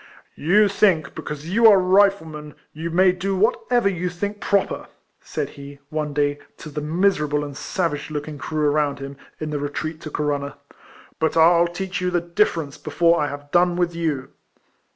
" You think, because you are Riflemen, you may do whatever you think proper," said he, one day, to the miserable and savage looking K 2 196 RECOLLECTIONS OF crew around him, in the retreat to Corunna ;" but I '11 teach you the difference before I have done with you."